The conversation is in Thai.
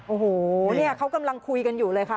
โอ้โหเนี่ยเขากำลังคุยกันอยู่เลยค่ะ